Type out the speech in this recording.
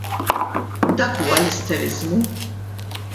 Dak huwa l-isteriżmu!